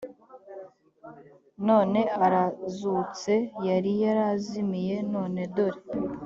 none arazutse yari yarazimiye none dore